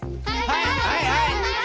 はいはいはい！